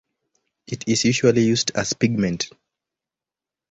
It is usually used as pigment.